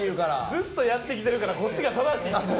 ずっとやってきてるからこっちが正しいんですよ。